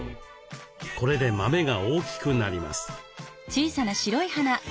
これで豆が大きくなります。